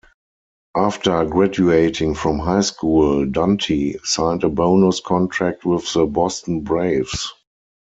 After graduating from high school, Dante signed a bonus contract with the Boston Braves.